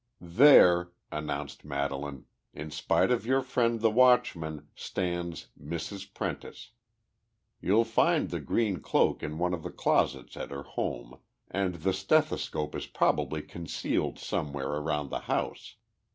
"There," announced Madelaine, "in spite of your friend the watchman, stands 'Mrs. Prentice.' You'll find the green cloak in one of the closets at her home, and the stethoscope is probably concealed somewhere around the house.